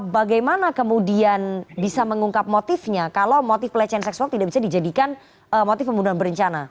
bagaimana kemudian bisa mengungkap motifnya kalau motif pelecehan seksual tidak bisa dijadikan motif pembunuhan berencana